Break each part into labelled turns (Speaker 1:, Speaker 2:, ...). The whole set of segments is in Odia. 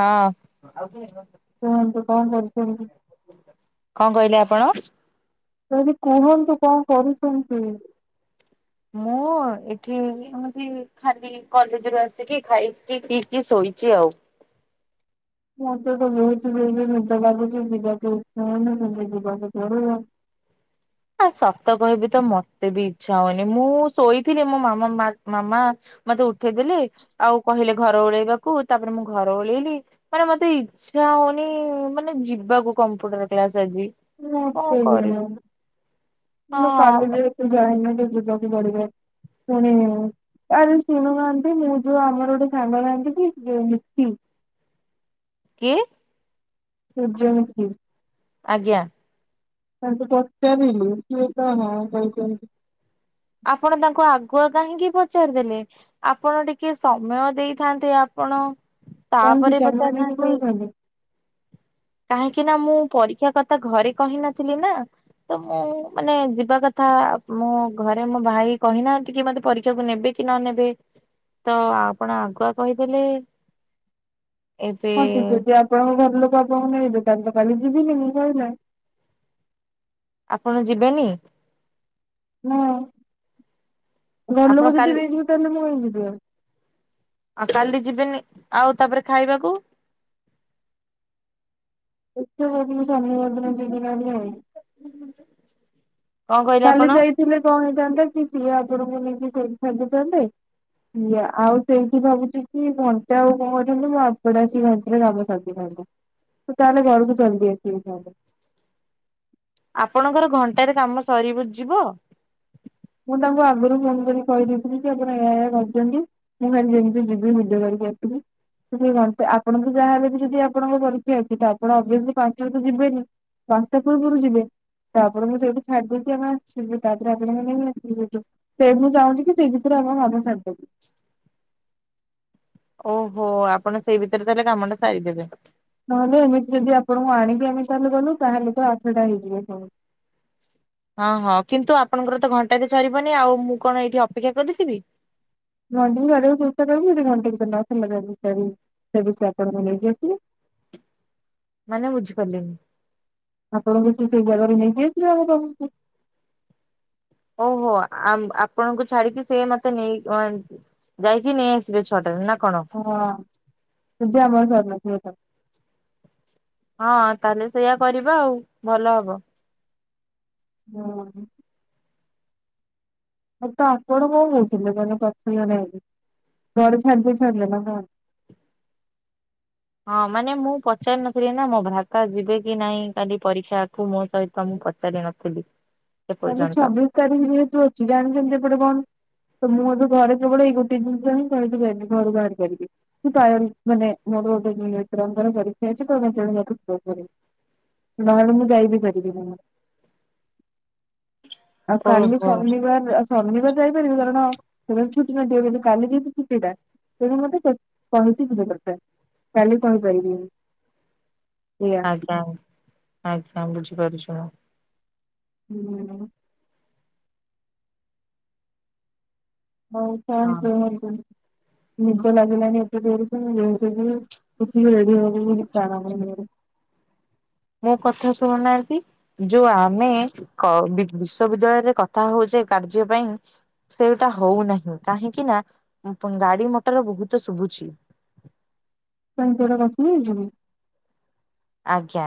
Speaker 1: ହଁ। କଣ
Speaker 2: କୁହନ୍ତୁ କଣ କରୁଛନ୍ତି?
Speaker 1: କହିଲେ ଆପଣ?
Speaker 2: ସେ ବି କୁହନ୍ତୁ କଣ କରୁଛନ୍ତି?
Speaker 1: ମୁଁ ଏଠି ଏମିତି ଖାଲି କଲେଜ୍ ରୁ ଆସିକି ଖାଇକି ପିଇକି ଶୋଇ ଇଚି ଆଉ।
Speaker 2: ମୋତେ ତ ବହୁତ ଜୋରରେ ନିଦ ଲାଗୁଚି। ଯିବାକୁ ଇଚ୍ଛା ହଉନି, କିନ୍ତୁ ଯିବାକୁ ପଡ଼ିବ।
Speaker 1: [inaudible] ହେ ସତ କହିବି ତ ମୋତେ ବି ଇଚ୍ଛା ହଉନି। ମୁଁ ଶୋଇଥିଲି ମୋ ମାମା ମାଡ୍ ମାମା ମୋତେ ଉ ଉଠେଇଦେଲେ। ଆଉ କହିଲେ ଘର ଓଳେଇବାକୁ। ତାପରେ ମୁଁ ଘର ଓଳେଇଲି। ମାନେ ମୋତେ ଇଚ୍ଛା ହଉନି ମାନେ ଯିବାକୁ କମ୍ପ୍ୟୁଟର କ୍ଲାସ୍।
Speaker 2: ମୋତେ କିଏ ନା, କିନ୍ତୁ କାଲି
Speaker 1: ହଁ
Speaker 2: ଯେହେତୁ ଯାଇ ନ ମୋତେ ଯିବାକୁ ପଡ଼ିବ। ପୁଣି ଆରେ ଶୁଣୁନାହାନ୍ତି, ମୁଁ ଯୋଉ ଆମର ଗୋଟେ ସାଙ୍ଗ ନାହାନ୍ତି କି, ଯୋଉ ଲିପି
Speaker 1: କିଏ?
Speaker 2: ସୂର୍ଯ୍ୟମୁଖୀ।
Speaker 1: ଆଜ୍ଞା।
Speaker 2: ତାଙ୍କୁ ପଚାରିଲି ସିଏ ତ ହଁ କହିଛନ୍ତି।
Speaker 1: ଆପଣ ତାଙ୍କୁ ଆଗୁଆ କାହିଁକି ପଚାରିଦେଲେ ଆପଣ ଟିକେ ସମୟ ଦେଇଥାନ୍ତେ। ଆ ପଣ
Speaker 2: କଣ
Speaker 1: ତାପରେ
Speaker 2: ଟିଚର ମାନେ ବି
Speaker 1: ପଚାରିଥାନ୍ତେ।
Speaker 2: କହୁଛନ୍ତି?
Speaker 1: କାହିଁକି ନା ମୁଁ ପରୀକ୍ଷା କଥା ଘରେ କହି ନଥିଲି ନା। ତ ମୁଁ ମାନେ ଯିବା କଥା ଆ ମୁଁ ଘରେ ମୋ ଭାଇ କହିନାହାନ୍ତି କି ମତେ ପରୀକ୍ଷାକୁ ନେବେ କି ନ ନେବେ? ତ ଆପଣ ଆଗୁଆ କହିଦେଲେ। [inaudible]
Speaker 2: ହଁ ସିଏ ଯଦି ଆପଣଙ୍କ ଘର ଲୋକ ତାକୁ କହୁନୁ ଏଇ ଦୋକାନ ତ କାଲି ଯିବିନି ମୁଁ ସଇଲା।
Speaker 1: ଆପଣ ଯିବେନି?
Speaker 2: ନା
Speaker 1: ଆପଣ
Speaker 2: [unintelligible] ଯଦି
Speaker 1: କାଲି
Speaker 2: ତାହେଲେ ମୁଁ କାଇଁ ଯିବି ଆଉ।
Speaker 1: ଆଉ କାଲି ଯିବେନି ଆଉ ତାପରେ ଖାଇବାକୁ? [inaudible] [inaudible]
Speaker 2: ଏତେ ସବୁ ଜିନିଷ ଶନିବାର ଦିନ ଆଣିବ।
Speaker 1: କଣ କହିଲେ
Speaker 2: କାଲି
Speaker 1: ଆପଣ?
Speaker 2: ଯାଇଥିଲେ କଣ ହେଇଥାନ୍ତା। କି ସିଏ ଆଗରୁ ନେଇକି ସେଇଠୀ ଖାଜୁଥାନ୍ତେ। ଆଉ ସେଇଠି ଭାବୁଛୁ କି ଘଣ୍ଟା [unintelligible] ତୁ ତାହାଲେ ଘରକୁ ଜଲଦି ଆସିକି ପହଞ୍ଚ।
Speaker 1: [inaudible] ଆପଣଙ୍କର ଘଣ୍ଟାରେ କାମ ସରିିବ ଯିବ।
Speaker 2: ମୁଁ ତାଙ୍କୁ ଆଗରୁ ଫୋନ କରି କହିଦେଇଥିଲି କି ଆପଣ ଏହାଆ ଏହାଆ କରିଛନ୍ତି। ମୁଁ ଖାଲି ଯେମିତି ଯିବି ଭିଡିଓ କରି। ଯାଇଥିଲି। ଆପଣ ତ ଯାହାହଲେ ବି ଯଦି ଆପଣଙ୍କ ପରୀକ୍ଷା ଅଛି। ତ ଆପଣ ଅସଲି ପାଞ୍ଚ ତ ଯିବେନି? ପାଞ୍ଚଟା ପୂର୍ବରୁ ଯିବେ ତାପରେ ମୁଁ ଯଉଠୁ ଛାଡି ଦେଇେକି ଆମେ ଆସି ଯିବୁ ତାପରେ ଆପଣମାନେ ଯିବେ। ସେ ମୁଁ ଚାହୁଁଛୁକି ସେଇ ଭିତରେ କାମ ସରିଦେବୁ। [inaudible]
Speaker 1: ଓହୋ ଆପଣ ସେଇ ଭିତରେ ତାହେଲେ କାମ ଟା ସାରିଦେବେ।
Speaker 2: ନହେଲେ ଏମିତିରେ ବି ଆପଣଙ୍କୁ ଆଣିକି ଆମେ ଚାଲିକି ଗଲୁ। ତାହେଲେ ତ ଆଠଟା ହେଇଯିବ କଣ?
Speaker 1: ହଁ ହଁ କିନ୍ତୁ ଆପଣଙ୍କର ତ ଘଣ୍ଟାରେ ସରିବନି ଆଉ ମୁଁ କଣ ଏଇଠି ଅପେକ୍ଷା କରିଥିବି।
Speaker 2: [unintelligible] ତେବେ ସ୍କ୍ୱାର୍ଡ କଣ ନେଇକି ଆସୁନୁ।
Speaker 1: [inaudible] ମାନେ ବୁଝିପାରିଲିନି।
Speaker 2: ଆପଣଙ୍କୁ ସେଇ ଜାଗାରେ ନେଇକି ଆଶିବ ବାବାକୁ।
Speaker 1: ଓହୋ ଆପଣଙ୍କୁ ଛାଡିକି ସେ ମତେ ନେଇ ଯାଇକି ନେଇଆସିବେ ଛଟାରୁ ନା କଣ
Speaker 2: ହଁ ପୂଜା ଆମର ସରିନଥିବ।
Speaker 1: ହଁ ତାହେଲେ ସେଇଆ କରିବା ଆଉ ଭଲ ହବ।
Speaker 2: [unintelligible] ମତେ ଆପଣ କଣ କହୁଥିଲେ ମାନେ ପଛେଇ ଗଲା ବୋଲି। ଘରେ ଛାଡି ଦଉଚ ନା କଣ?
Speaker 1: [unintelligible] ହଁ ମାନେ ମୁଁ ପଚାରି ନଥିଲି ନା ମୋ ଭାଇ ଯିବେ କି ନାଇଁ। କାଲି ପରୀକ୍ଷା ଆଠୁ ମୋ ସହିତ ମୁଁ ପଚାରି ନଥିଲି।
Speaker 2: ତାହେଲେ
Speaker 1: ଏପର୍ଯ୍ୟନ୍ତ।
Speaker 2: ଛବିଶି ତାରିଖ ଯେହେତୁ ଅଛି ଜାଣିଛନ୍ତିତି ଏପଟେ କଣ ତ ମୁଁ ଘରେ କେବଳ ଏଇ ଗୋଟେ ଜିନିଷ ହଁ କହିିକି ବାହାରିବି ଘରୁ ବାହାରି ପାରିବି ମାନେ ମୋର [unintelligible] ନାହେଲେ ମୁଁ ଯାଇ ବି ପାରିବିନି। [inaudible] ଆଉ କାଲି
Speaker 1: ଓହୋ।
Speaker 2: ଶନିବାର ଶନିବାର ଯାଇପାରିବିନି କାରଣ କେବେ ଛୁଟି ନଥିବ କିନ୍ତୁ କାଲି ଦେବେ ଛୁଟି ଟା। [unintelligible] କରଥା କାଲି କହିପାଇିବିନି।
Speaker 1: [inaudible] ଆଜ୍ଞା ଆଜ୍ଞା ବୁଝିପାରୁଛୁ।
Speaker 2: ହୁଁ। ହଉ କଣ
Speaker 1: ହଁ
Speaker 2: କୁହନ୍ତୁ? ନିଦ ଲାଗିଲାଣିି ଏତେ ଜୋରେ ଯେ ମୁଁ ବେହୋସ ହେଇଯିବି [unintelligible] [unintelligible]
Speaker 1: ମୁଁ କଥା ଶୁଣୁନାହାନ୍ତି ଯୋଉ ଆମେ କ ବି ବିଶ୍ଵବିଦ୍ୟାଳୟରେ କଥା ହଉଚ କାର୍ଯ୍ୟ ପାଇଁ ସେଇଟା ହଉନାହିଁ କାହିଁକି ନା ଗାଡି ମଟର ବହୁତ ଶୁଭୁଛି। [inaudible]
Speaker 2: ତମକୁ ଗୋଟେ କଥା [unintelligible]
Speaker 1: ଆଜ୍ଞା।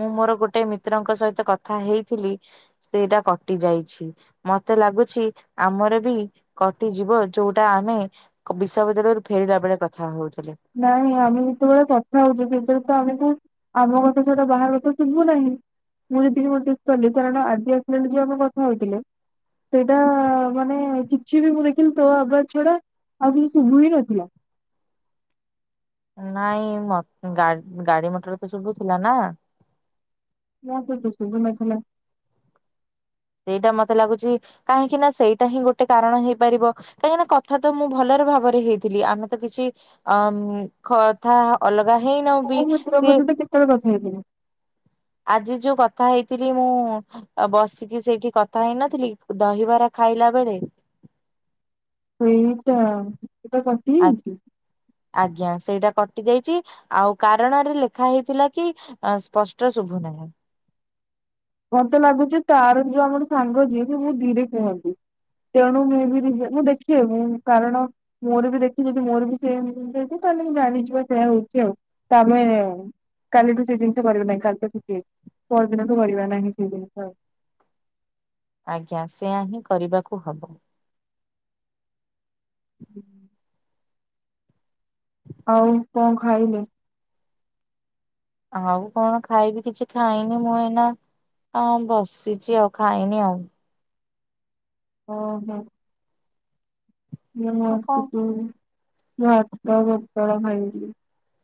Speaker 1: ମୁଁ ମୋର ଗୋଟେ ମିତ୍ରଙ୍କ ସହିତ କଥା ହେଇଥିଲି ସେଇଟା କଟି ଯାଇଛି ମତ ମତେ ଲାଗୁଛି ଆମର ବି କଟି ଯିବ ଯୋଉଟା ଆମେ ବିଶ୍ବିଦ୍ୟାଳୟରୁ ଫେରିଲ ବେ ଳେ କଥା ହଉ
Speaker 2: ନାଇଁ ଆମେ ଯେତେବେଳେ କଥା ହଉଛୁ ସେତେବେଳେ ତ ଆମେ କୁ ଆମ କଥା ଛଡ଼ା ବାହାର କଥା ଶୁଭୁ ନାହିଁ। ମୁଁ ଯଦକି ନୋଟିସ କଲି କାରଣ ଆଜି ଆସିଲା ବେଳେ ଯାଉ ଆମେ କଥା ହେଥିଲେ। ସେଇଟା ମାନେ କିଛି ବି ମୁଁ ଦେଖିଲି ତୋ ଆବଜ୍ ଛଡା ଆଉ କିଛି ସୁବୁହିଁନଥିଲା।
Speaker 1: [inaudible] ନାଇଁ ମ ଗାଡି ମଟର ତ ସବୁ ଥିଲା ନା।
Speaker 2: ମତେ ତ ଶୁଭୂ ନଥିଲା।
Speaker 1: ସେଇଟା ମତେ ଲାଗୁଛି କାହିଁକି ନା ସେଇଟା ହିଁ ଗୋଟେ କାରଣ ହେଇପାରିବ କାହିଁକି ନା କଥା ତ ମୁଁ ଭଲରେ ଭ ଭାବରେ ହେଇଥିଲି ଆମେ ତ କିଛି ଅମ୍ କଥା ଅ ଥା ହେଇ ନାହୁ ବି
Speaker 2: କୋଉ ମିତ୍ରଙ୍କ
Speaker 1: ସେଏ
Speaker 2: ସହିତ କେତେବେଳେ କଥା ହେଇଥିଲି
Speaker 1: ଆଜି ଯୋଉ କଥା ହେଇଥିଲି ମୁଁ ବସିକି ସେଇଠି କଥା ହେଇନଥିଲି ଦହିବାର ଖାଇଲା ବେଳେ
Speaker 2: ସେଇଟା ଏଟା କଟି
Speaker 1: ଆ
Speaker 2: ଯାଇଛି?
Speaker 1: ଆଜ୍ଞା ସେଇଟା କଟି ଯାଇଛି ଆଉ କାରଣରେ ଲେଖା ହେଇଥିଲା କି ସ୍ପଷ୍ଟ ଶୁଭୁ ନାହିଁ। [unintelligible]
Speaker 2: ମତେ ଲାଗୁଛି ତାର ଯିଏ ଆମଠୁ ସାଙ୍ଗ ଯିଏ ସେ ବହୁତ୍ ଧୀରେ କୁହନ୍ତି। ତେଣୁ ମୁଁ ବି ରିଯେ ମୁଁ ଦେଖି ମୁଁ କାରଣ ମୋର ବି ଦେଖି ଯଦି ମୋର ବି ସେତି ଯଦି ତ ଜାଣିଯିବା ସେୟା ହଉଛି ଆଉ ତାମାନେ କାଲିଠୁ ସେ ଜିନିଷ କରିବା ନାହିଁ କାଲି ତ ଛୁଟି ପରଦିନ ଠୁ କରିବା ନାଁହି ସେ ଜିନିଷ ଆଉ।
Speaker 1: ଆଜ୍ଞା ସେୟା ହିଁ କରିବାକୁ ହବ।
Speaker 2: ହୁଁ। ଆଉ କଣ ଖାଇଲେ?
Speaker 1: ଆଉ କଣ ଖାଇବି କିଛି ଖାଇନି ମୁଁ ଏଇନା। ହଁ ବସିଛି ଆଉ ଖାଇନି ଆଉ।
Speaker 2: ଓ ହୋ।
Speaker 1: ଆଉ କଣ
Speaker 2: [unintelligible]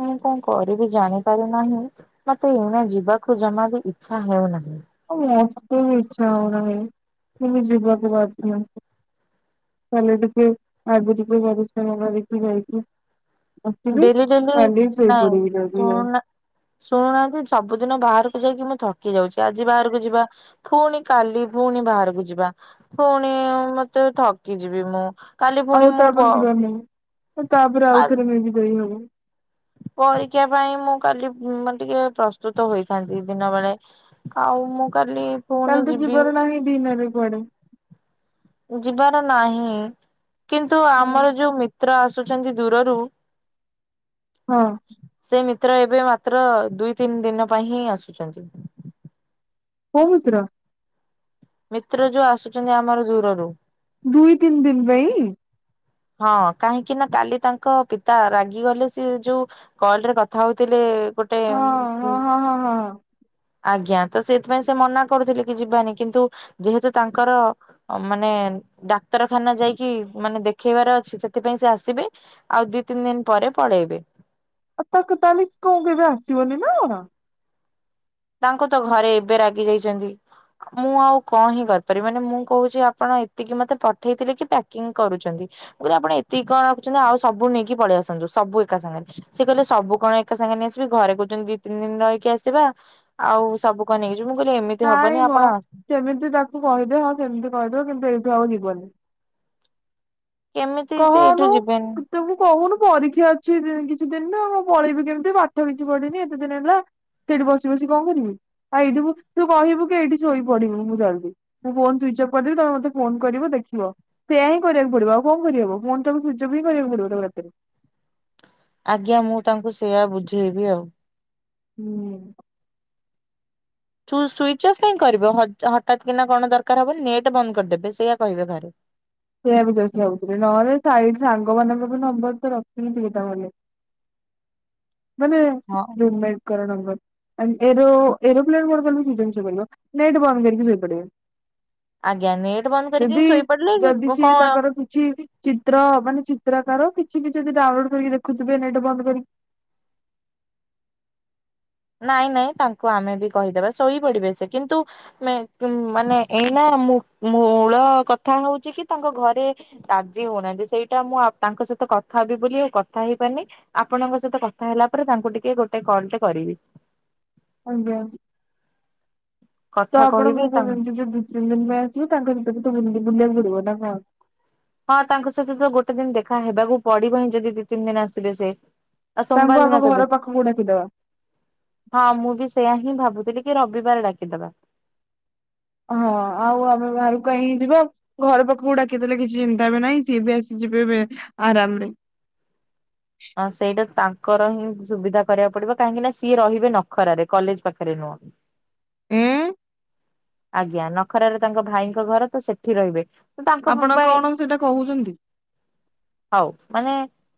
Speaker 1: ହଁ। କଣ କରିବି ଜାଣି ପାରୁନାହିଁ ମତେ ଏନା ଯିବାକୁ ଜମା ବି ଇଛା ହେଉନାହିଁ।
Speaker 2: ହ ମତେ ବି ଇଛା ହଉନାହି ଖାଲି ଯିବାକୁ ବାଧ୍ୟ। କଲିଟିକେ ଆଜିଟିକେ ପରିଶ୍ରମ କରିକି ଯାଇଛି।
Speaker 1: ଡେଲି ଡେଲି ନାଇଁ
Speaker 2: ଯଦି ଆଉ
Speaker 1: ଶୁଣୁନା ଶୁଣୁନାହାନ୍ତି ସବୁଦିନ ବାହାରକୁ ଯାଇକି ମୁଁ ଥକି ଯାଉଛି ଆଜି ବାହାରକୁ ଯିବା ପୁଣି କାଲି ପୁଣି ବାହାରକୁ ଯିବା ପୁଣି ଉଁ ସେତେବେଳେ ଥକି ଯିବି ମୁଁ। କାଲି ପୁଣି
Speaker 2: ଆଉ
Speaker 1: ମୁଁ ପ
Speaker 2: ତାପରେ ଯିବା ନାହିଁ ତାପରେ ଆଉ ଥରେ [unintelligible] ହବ।
Speaker 1: ପରୀକ୍ଷା ପାଇଁ ମୁଁ କାଲି ମାନେ ଟିକେ ପ୍ରସ୍ତୁତ ହୋଇଥାନ୍ତି ଦିନ ବେଳେ ଆଉ। ଆଉ ମୁଁ କା
Speaker 2: ତାହଲେ ତୁ ଯିବାର ନା‌ହିଁ ଦିନରେ କୁଆଡେ।
Speaker 1: ଯିବାର ନାହିଁ କିନ୍ତୁ ଆମର ଯୋଉ ମିତ୍ର ଆସ ଆସୁଛନ୍ତି ଦୂରରୁ
Speaker 2: ହଁ
Speaker 1: ସେ ମି ମାତ୍ର ଏବେ ମାତ୍ର ଦୁଇ ତିନି ଦିନ ପାଇଁ ହିଁ ଆସୁଚନ୍ତି।
Speaker 2: କୋଉ ମିତ୍ର।
Speaker 1: ମିତ୍ର ଯୋଉ ଆସୁଛନ୍ତି ଆମର ଦୂରରୁ।
Speaker 2: ଦୁଇ ତିନ ଦିନ ପାଇଁ।
Speaker 1: ହଁ କାହିଁକିନା କାଲି ତାଙ୍କ ପିତା ରାଗିଗଲେ ସେଏ ଯୋଉ କଲରେ କଥା ହଉଥିଲେ। ଗୋଟେ ହଁ। ଆଜ୍ଞା ତ ସେଇଥିପାଇଁ ସେ ମନା କରୁଥିଲେ କି ଯିବାନି କିନ୍ତୁ ଯେହେତୁ ତାଙ୍କର ମାନେ। ଡାକ୍ତରଖାନା ଯାଇକି ମାନେ ଦେ ଖେଇବାର ଅଛି ସେଥିପାଇଁ ସେ ଆସିବେ ଆଉ ଦି ତିନି ଦିନ ପରେ ପଳେଇବେ।
Speaker 2: ଆଉ ତାକୁ ତାଲି କଣ କେବେ ଆସିବନିନା କଣ?
Speaker 1: ତାଙ୍କୁ ତ ଘରେ ଏବେ ରାଗି ଯାଇଚନ୍ତି। ମୁଁ ଆଉ କଣ ହିଁ କରିପାରିବି ମାନେ ମୁଁ କହୁଛି ଆପଣ ଏତିକି ମତେ ପଠେଇଥିଲେ କି ପ୍ୟାକିଂ କରୁଚନ୍ତି। ମୁଁ କହିଲି ଆପଣ ଏତିକି କଣ ରଖୁଛନ୍ତି ଆଉ ସବୁ ନେଇକି ପଳେଇ ଆସନ୍ତୁ ସବୁ ଏକା ସାଙ୍ଗରେ ସେ କହିଲେ ସବୁ କଣ ଏକା ସାଙ୍ଗ ନେଇଆସିବି ଘରେ କହୁଚନ୍ତି ଦି ତିନି ଦିନ ରହିକି ଆସିବା ଆଉ ସବୁ କ ନେଇକି। ଯିବୁ ମୁଁ କହିଲି ଏମିତି
Speaker 2: ନାଇଁ
Speaker 1: ହବନି
Speaker 2: ମ
Speaker 1: ଆପଣ
Speaker 2: ସେମିତି ତାକୁ କହିଦେଅ ହଁ ସେମିତି କହିଦବ କିନ୍ତୁ ଏଇଠୁ ଆଉ ଯିବନି।
Speaker 1: କେମିତି ସେ ଏଇଠୁ
Speaker 2: କହନୁ
Speaker 1: ଯିବେନି
Speaker 2: ତତେ ମୁଁ କହୁନୁ ପରୀକ୍ଷା ଅଛି କି କିଛି ଦିନ ମୁଁ ପଳେଇବି କେମିତି ପାଠ କିଛି ପଢିନି ଏତେ ଦିନି ହେଲା। ସେଇଠି ବସି ବସି କଣ କରିବି ଆଉ ଏଇଠି ତୁ କହିବୁ କି ଏଇଠି ଶୋଇ ପଡିବୁ ମୁଁ ଜଲଦି ମେ ଫୋନ୍ ସୁଇଚ୍ ଅଫ୍ ଜବ କରିଦେବି ତମେ ମତେ ଫୋନ କରିବ ଦେଖିବ ତ ସେୟା ହିଁ କରିବାକୁ ପଡିବ ଆଉ କଣ କରିହବ ଫୋନ୍ ଟାକୁ ସୁଇଚ୍ ଅଫ୍ କରିବାକୁ ପଡିବ ତାକୁ ରାତିରେ।
Speaker 1: ଆଜ୍ଞା ମୁଁ ତାଙ୍କୁ ସେଇଆ ବୁଝେଇବି ଆଉ।
Speaker 2: ହୁଁ।
Speaker 1: ସୁ ସୁଇଚ୍ ଅଫ୍ କାଁଇ କରିବ ହ ହଠାତ୍ କିନା କଣ ଦରକାର ହବ ନେଟ୍ ବନ୍ଦ କରିଦେବେ ସେଇଆ କହିବେ ଘରେ।
Speaker 2: ସେଇଆ ବି ଜଷ୍ଟ ଭାବୁଥିଲି ନହେଲେ ସାଇଡ୍ ସାଙ୍ଗମାନ ତମ ନମ୍ବର ତ ରଖିଲି ଦିଟା ବେଲେ। ମାନେ
Speaker 1: ହଁ
Speaker 2: ରୁମମେଣ୍ଟଙ୍କର ନମ୍ବର। ଆଣ୍ ଏରୋ ଏରୋପ୍ଲେନ ମୋଡ୍ କରିକି [unintelligible] ଶୋଇପଡିବ ନେଟ୍ ବନ୍ଦ କରିକି ଶୋଇପଡିବ।
Speaker 1: ଆଜ୍ଞା ନେଟ୍ ବନ୍ଦ କରିକି
Speaker 2: ଯଦି
Speaker 1: ଶୋଇପଡିଲେ।
Speaker 2: ଯଦି ସିଏ
Speaker 1: କଣ
Speaker 2: ତାଙ୍କର କିଛି ଚିତ୍ର ମାନେ ଚିତ୍ରକାର। [unintelligible] ଯଦି ଡାଉନଲୋଡ କରିକି ଦେଖୁଥିବେ ନେଟ୍ ବନ୍ଦ କରକି।
Speaker 1: ନାଇଁ ନାଇଁ ତାଙ୍କୁ ଆମେ ବି କହିଦେବା ଶୋଇ ପଡିବେ ସେ କିନ୍ତୁ ମେ ମାନେ ଏଇନା। ମୂ ମୂଳ କଥା ହଉଚିକି ତାଙ୍କ ଘରେ ରାଜି ହଉନାହାନ୍ତି ସେଇଟା ମୁଁ ଆ ତାଙ୍କ ସ କଥା ହେବି ବୋଲି ଆଉ କଥା ହେଇପାରନି ଆପଣଙ୍କ ସହିତ କଥା ହେଲା ପରେ ତାଙ୍କୁ ଟିକେ ଗୋଟେ କଲ ଟେ କରିବି।
Speaker 2: ଆଜ୍ଞା। ତ
Speaker 1: କଥା
Speaker 2: ଆପଣ
Speaker 1: କହିବି
Speaker 2: କ
Speaker 1: ତାଙ୍କ
Speaker 2: କହୁଛନ୍ତି [unintelligible] ଯେଉ ଦିଇ ତିନି ଦିନ ପାଇଁ ଆସିବ ତାଙ୍କ ଭିତରେ ତୁ ବୁଲି ବୁଲିବାକୁ ପଡିବ ନା କଣ?
Speaker 1: ହଁ ତାଙ୍କ ସହିତ ତ ଗୋଟେ ଦିନ ଦେଖା ହେବାକୁ ପଡିବ ହିଁ ଯଦି ଦି ତିନି ଦିନ ଆସିବେ ସେ। ଆଉ
Speaker 2: ତାଙ୍କୁ
Speaker 1: ସୋମବାର
Speaker 2: ଆମ
Speaker 1: ଦିନ
Speaker 2: ଘର
Speaker 1: ତବେ
Speaker 2: ପାଖକୁ ଡାକିଦବା
Speaker 1: ହଁ ମୁଁ ବି ସେଇୟା ହିଁ ଭାବୁ ସେଠିକି ରବିବାର ଡାକିଦବା।
Speaker 2: ହଁ ଆଉ ଆମେ ବାହାରକୁ କାଇଁ ଯିବା ଘର ପାଖକୁ ଡାକିଦେଲେ କିଛି ଚିନ୍ତା ବି ନାହିଁ ସିଏ ବି ଆସି ଯିବେ ବେ ଆରାମରେ।
Speaker 1: [unintelligible] ଙ୍କର ହିଁ ସୁବିଧା କରିବାକୁ ପଡିବ କାହିଁକି ନା ସିଏ ରହିବେ ନଖରାରେ କଲେଜ ପାଖରେ ନୁହଁନ୍ତି।
Speaker 2: ଉଁ।
Speaker 1: ଆଜ୍ଞା ନଖରାରେ ତାଙ୍କ ଭାଇଙ୍କ ଘର ତ ସେଠି ରହିବେ। ତାଙ୍କ
Speaker 2: ଆପଣ
Speaker 1: ମୁମ୍ବାଇ
Speaker 2: କଣ ସେଇଟା କହୁଛନ୍ତି
Speaker 1: ହଉ ମାନେ।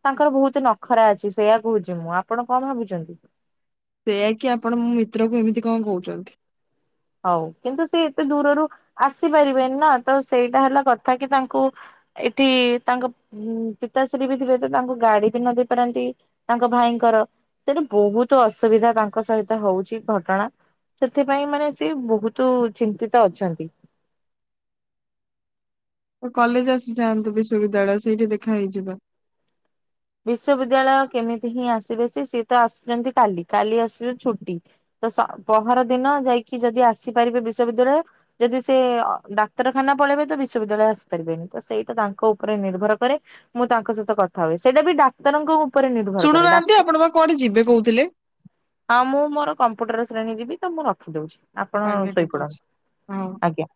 Speaker 1: ତାଙ୍କର ବହୁତ ନଖରା ଅଛି ସେଇଆ କହୁଚି ମୁଁ ଆପଣ କଣ ଭାବୁଛନ୍ତି?
Speaker 2: ସେଇଆ କି ଆପଣ ମୋ ମିତ୍ର କୁ ଏମିତି କଣ କହୁଚନ୍ତି।
Speaker 1: ହଉ କିନ୍ତୁ ସିଏ ଏତେ ଦୂରରୁ ଆସିପାରିବେନି ନା ତ ସେଇଟା ହେଲା କଥା କି ତାଙ୍କୁ ଏଠି ତାଙ୍କ ଉଁ ପିତାଶ୍ରୀ ବି ଥିବେ ତ ତାଙ୍କୁ ଗାଡି ବି ନ ଦେଇ ପାରନ୍ତି ତାଙ୍କ ଭାଇଙ୍କ ଙ୍କର ସେଟି ବହୁତ ଅସୁବିଧା ତାଙ୍କ ସହିତ ହଉଚି ଘଟଣା ସେଥିପାଇଁ ମାନେ ସେ ସେ ବହୁତ ଚିନ୍ତିତ ଅଛନ୍ତି।
Speaker 2: କଲେଜ ଆସି ଯାଆନ୍ତୁ ବିଶ୍ବିଦ୍ୟାଳୟ ସେଇଠି ଦେଖା ହେଇଯିବା।
Speaker 1: ବିଶ୍ବିଦ୍ୟାଳୟ କେମିତି ହିଁ ଆସିବେ ସେ ସିଏ ତ ଆସୁଚନ୍ତି କାଲି କାଲି ଆସିବ ଛୁଟି। ତ ସ ପହର ଦିନ ଯାଇକି ଯଦି ଆସିପାରିବେ ବିଶ୍ବିଦ୍ୟାଳୟ ଯଦି ସେ ଅ ଡାକ୍ତରଖାନା ପଳେଇବେ ତ ବିଶ୍ୱବିଦ୍ୟାଳୟ ଆସି ପାରିବେନି ତ ସେଇଟା ତାଙ୍କ ଉପରେ ନିର୍ଭର କରେ ମୁଁ ତାଙ୍କ ସହିତ କଥା ହୁଏ ସେଇଟା ବି ଡାକ୍ତରଙ୍କୁ ଉପରେ ନିର୍ଭର କାରେ ଡା
Speaker 2: ଶୁଣୁନାହାନ୍ତି ଆପଣ ବା କୁଆଡେ ଯିବେ କହୁଥିଲେ।
Speaker 1: ହଁ ମୁଁ ମୋର କ ପଟରେ ଆସିଲାଣି ଯିବି ତ ମୁଁ ରଖିଦଉଚି। ଆପଣ
Speaker 2: ଆଜ୍ଞା ଠିକ
Speaker 1: ଶୋଇପଡନ୍ତୁ
Speaker 2: ଅଛି ହଉ।
Speaker 1: ଆଜ୍ଞା।